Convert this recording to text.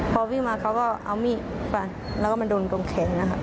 พอวิ่งมาเขาก็เอามีดฟันแล้วก็มาโดนตรงแขนนะคะ